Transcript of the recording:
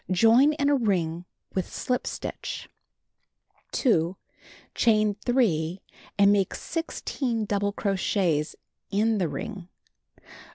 Join in a ring with slip stitch. 2. Chain 3, and make 16 double crochets in the ring.